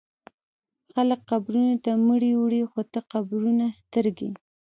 خلک قبرو ته مړي وړي خو ته قبرونه سترګې